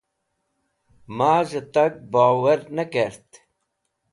Maz̃hẽ tag bobowar nẽ kẽt.